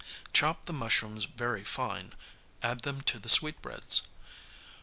Chop the mushrooms very fine, add them to the sweetbreads.